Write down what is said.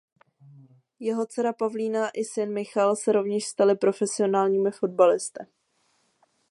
Jeho dcera Pavlína i syn Michal se rovněž stali profesionálními fotbalisty.